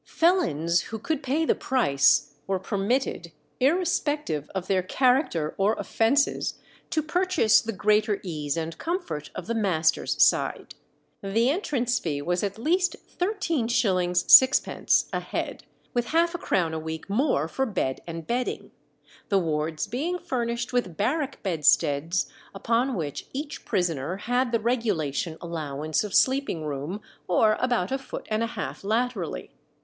Felons who could pay the price were permitted, irrespective of their character or offences, to purchase the greater ease and comfort of the master's side. The entrance fee was at least 13_s._ 6_d._ a head, with half a crown a week more for bed and bedding, the wards being furnished with barrack bedsteads, upon which each prisoner had the regulation allowance of sleeping room, or about a foot and a half laterally.